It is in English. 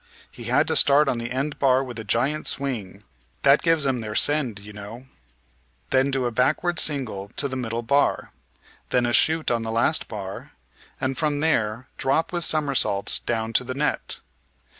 He had to start on the end bar with a giant swing, that gives 'em their send, you know, then do a backward single to the middle bar, then a shoot on to the last bar, and from there drop with somersaults down to the net.